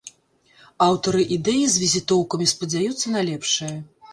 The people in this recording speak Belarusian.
Аўтары ідэі з візітоўкамі спадзяюцца на лепшае.